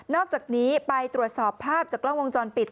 อกจากนี้ไปตรวจสอบภาพจากกล้องวงจรปิด